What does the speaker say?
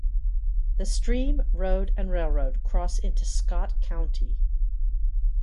The stream, road, and railroad cross into Scott County.